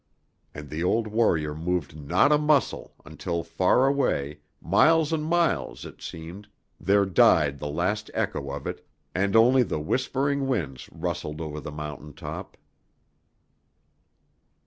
And the old warrior moved not a muscle until far away, miles and miles, it seemed, there died the last echo of it, and only the whispering winds rustled over the mountain top.